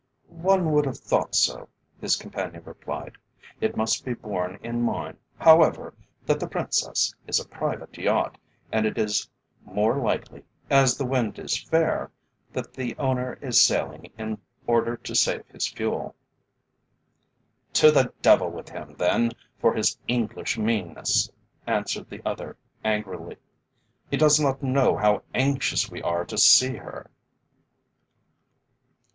"One would have thought so," his companion replied. "It must be borne in mind, however, that the Princess is a private yacht, and it is more likely, as the wind is fair, that the owner is sailing in order to save his fuel." "To the devil with him, then, for his English meanness," answered the other angrily. "He does not know how anxious we are to see her."